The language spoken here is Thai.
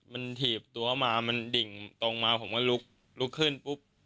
มันถีบตัวมามันดิ่งตรงมาผมก็ลุกลุกขึ้นปุ๊บ